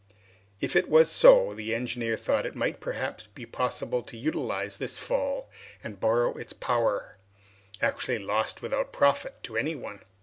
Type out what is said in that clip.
If it was so, the engineer thought that it might perhaps be possible to utilize this fall and borrow its power, actually lost without profit to any one.